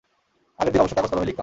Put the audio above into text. আগের দিনে অবশ্য কাগজ-কলমেই লিখতাম।